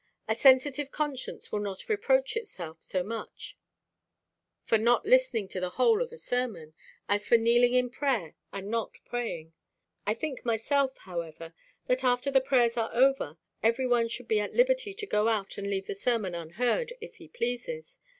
A sensitive conscience will not reproach itself so much for not listening to the whole of a sermon, as for kneeling in prayer and not praying. I think myself, however, that after the prayers are over, everyone should be at liberty to go out and leave the sermon unheard, if he pleases.